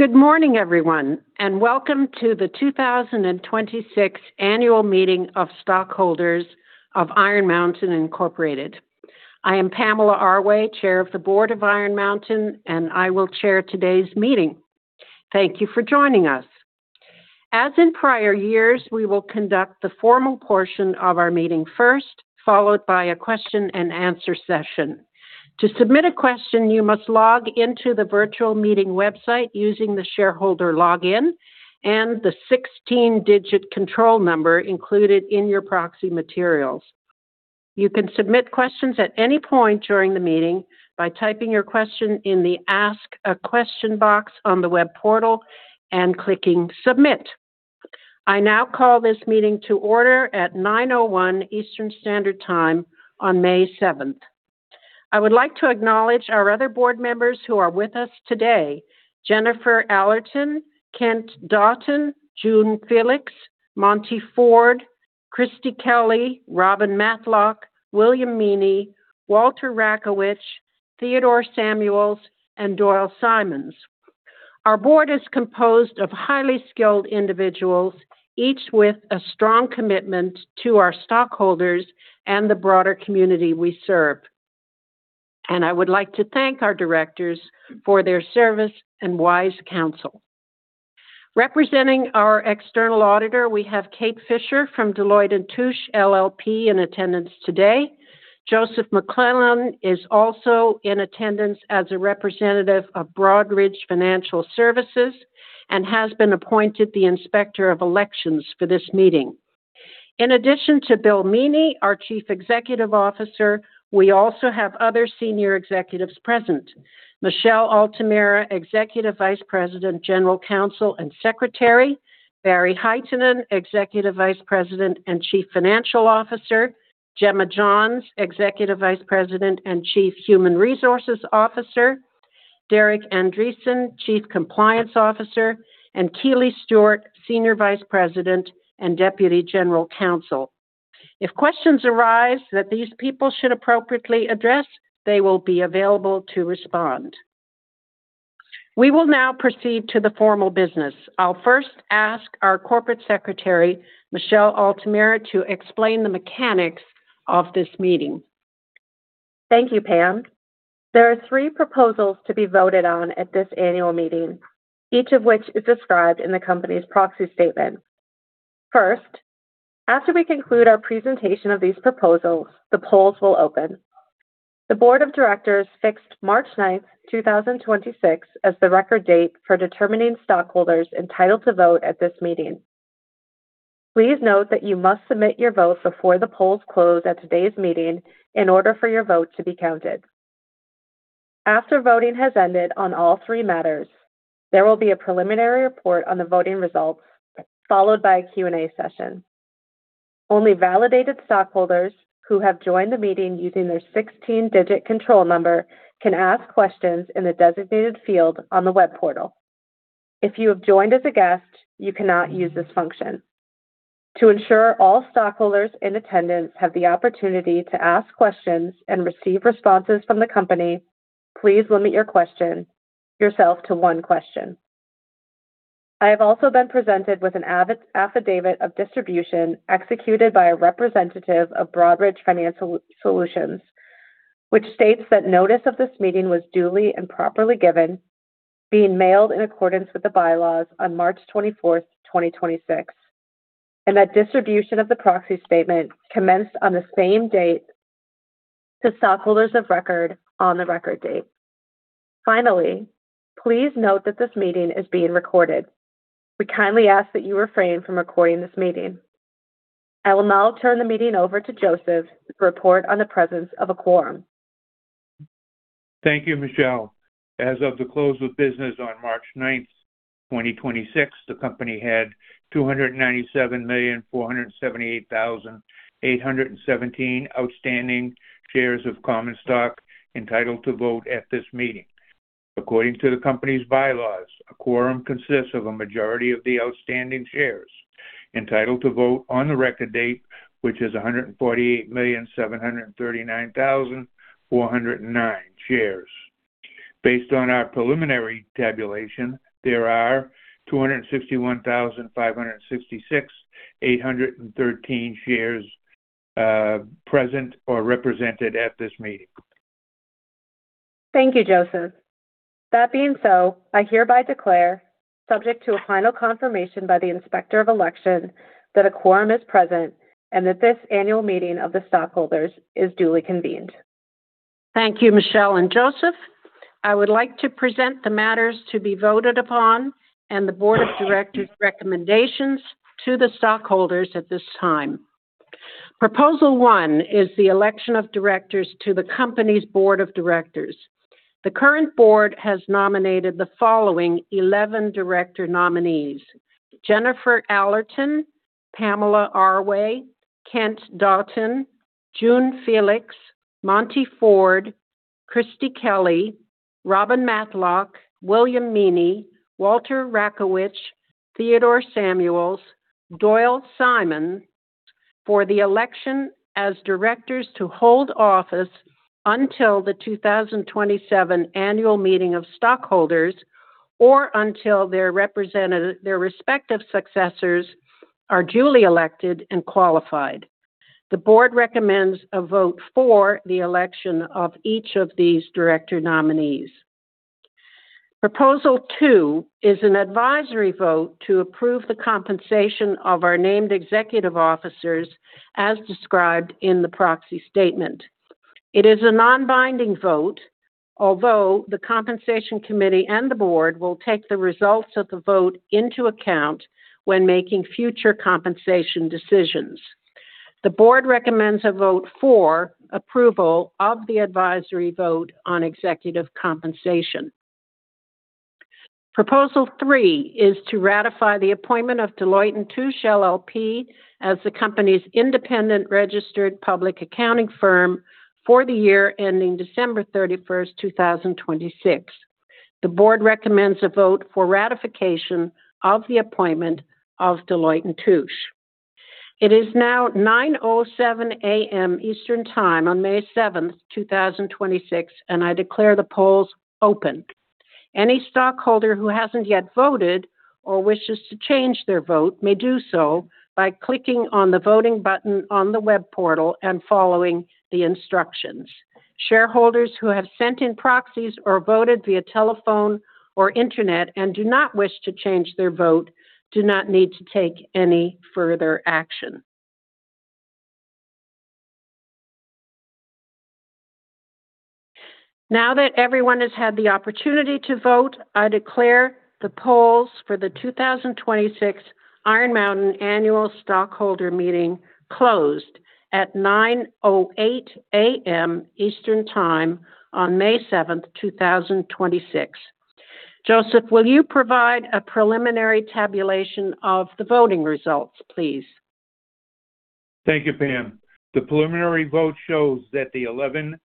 Good morning, everyone, and welcome to the 2026 Annual Meeting of Stockholders of Iron Mountain Incorporated. I am Pamela Arway, Chair of the Board of Iron Mountain, and I will chair today's meeting. Thank you for joining us. As in prior years, we will conduct the formal portion of our meeting first, followed by a question-and-answer session. To submit a question, you must log into the virtual meeting website using the shareholder login and the 16-digit control number included in your proxy materials. You can submit questions at any point during the meeting by typing your question in the Ask a Question box on the web portal and clicking Submit. I now call this meeting to order at 9:01 A.M. Eastern Standard Time on May 7th. I would like to acknowledge our other Board Members who are with us today. Jennifer Allerton, Kent Dauten, June Felix, Monte Ford, Christie Kelly, Robin Matlock, William Meaney, Walter Rakowich, Theodore Samuels, and Doyle Simons. Our Board is composed of highly skilled individuals, each with a strong commitment to our stockholders and the broader community we serve. I would like to thank our Directors for their service and wise counsel. Representing our External Auditor, we have Kate Fisher from Deloitte & Touche LLP in attendance today. Joseph McClellan is also in attendance as a representative of Broadridge Financial Solutions and has been appointed the Inspector of Elections for this meeting. In addition to Will Meaney, our Chief Executive Officer, we also have other Senior Executives present. Michelle Altamura, Executive Vice President, General Counsel, and Secretary. Barry Hytinen, Executive Vice President and Chief Financial Officer. Jemma Johns, Executive Vice President and Chief Human Resources Officer. Derek Andreson, Chief Compliance Officer and Keely Stewart, Senior Vice President and Deputy General Counsel. If questions arise that these people should appropriately address, they will be available to respond. We will now proceed to the formal business. I'll first ask our corporate Secretary, Michelle Altamura, to explain the mechanics of this meeting. Thank you, Pam. There are three proposals to be voted on at this annual meeting, each of which is described in the company's proxy statement. First, after we conclude our presentation of these proposals, the polls will open. The Board of Directors fixed March 9th, 2026 as the record date for determining stockholders entitled to vote at this meeting. Please note that you must submit your vote before the polls close at today's meeting in order for your vote to be counted. After voting has ended on all three matters, there will be a preliminary report on the voting results, followed by a Q&A session. Only validated stockholders who have joined the meeting using their 16-digit control number can ask questions in the designated field on the web portal. If you have joined as a guest, you cannot use this function. To ensure all stockholders in attendance have the opportunity to ask questions and receive responses from the company, please limit yourself to one question. I have also been presented with an affidavit of distribution executed by a representative of Broadridge Financial Solutions, which states that notice of this meeting was duly and properly given, being mailed in accordance with the bylaws on March 24th, 2026, and that distribution of the proxy statement commenced on the same date to stockholders of record on the record date. Finally, please note that this meeting is being recorded. We kindly ask that you refrain from recording this meeting. I will now turn the meeting over to Joseph to report on the presence of a quorum. Thank you, Michelle. As of the close of business on March 9th, 2026, the company had 297,478,817 outstanding shares of common stock entitled to vote at this meeting. According to the company's bylaws, a quorum consists of a majority of the outstanding shares entitled to vote on the record date, which is 148,739,409 shares. Based on our preliminary tabulation, there are 261,566,813 shares present or represented at this meeting. Thank you, Joseph. That being so, I hereby declare, subject to a final confirmation by the Inspector of Election, that a quorum is present and that this annual meeting of the stockholders is duly convened. Thank you, Michelle and Joseph. I would like to present the matters to be voted upon and the Board of Directors' recommendations to the stockholders at this time. Proposal 1 is the election of Directors to the company's Board of Directors. The current Board has nominated the following 11 Director nominees: Jennifer Allerton, Pamela Arway, Kent Dauten, June Felix, Monte Ford, Christie Kelly, Robin Matlock, William Meaney, Walter Rakowich, Theodore Samuels, Doyle Simons for the election as Directors to hold office until the 2027 Annual Meeting of Stockholders or until their respective successors are duly elected and qualified. The Board recommends a vote for the election of each of these Director nominees. Proposal 2 is an advisory vote to approve the compensation of our named Executive Officers as described in the proxy statement. It is a non-binding vote, although the compensation committee and the board will take the results of the vote into account when making future compensation decisions. The Board recommends a vote for approval of the advisory vote on executive compensation. Proposal 3 is to ratify the appointment of Deloitte & Touche LLP as the company's independent registered public accounting firm for the year ending December 31st, 2026. The Board recommends a vote for ratification of the appointment of Deloitte & Touche. It is now 9:07 A.M. Eastern Time on May 7th, 2026. I declare the polls open. Any stockholder who hasn't yet voted or wishes to change their vote may do so by clicking on the voting button on the web portal and following the instructions. Shareholders who have sent in proxies or voted via telephone or internet and do not wish to change their vote do not need to take any further action. Now that everyone has had the opportunity to vote, I declare the polls for the 2026 Iron Mountain annual stockholder meeting closed at 9:08 A.M. Eastern Time on May 7th, 2026. Joseph, will you provide a preliminary tabulation of the voting results, please? Thank you, Pam. The preliminary vote shows that the 11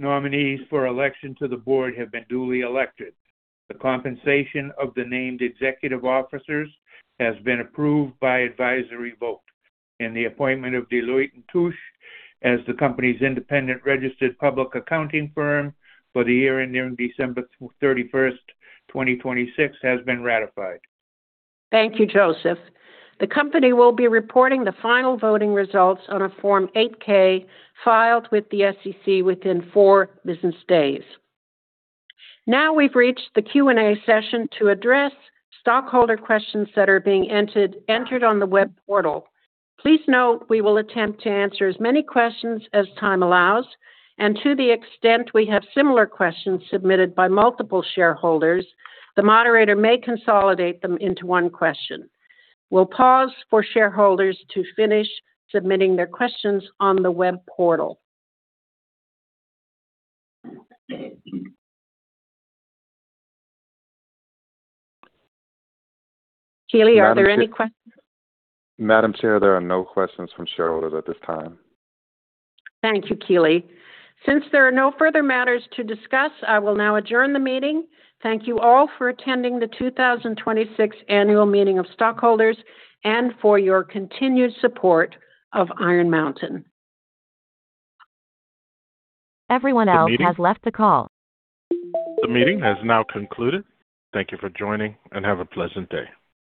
nominees for election to the Board have been duly elected. The compensation of the named Executive Officers has been approved by advisory vote. The appointment of Deloitte & Touche as the company's independent registered public accounting firm for the year ending December 31st, 2026, has been ratified. Thank you, Joseph. The company will be reporting the final voting results on a Form 8-K filed with the SEC within four business days. We've reached the Q&A session to address stockholder questions that are being entered on the web portal. Please note we will attempt to answer as many questions as time allows, and to the extent we have similar questions submitted by multiple shareholders, the moderator may consolidate them into one question. We'll pause for shareholders to finish submitting their questions on the web portal. Keely, are there any? Madam Chair, there are no questions from shareholders at this time. Thank you, Keely. There are no further matters to discuss, I will now adjourn the meeting. Thank you all for attending the 2026 Annual Meeting of Stockholders and for your continued support of Iron Mountain. The meeting has now concluded. Thank you for joining, and have a pleasant day.